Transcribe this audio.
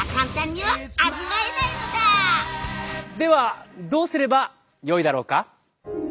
ではどうすればよいだろうか？